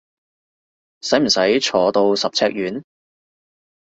使唔使坐到十尺遠？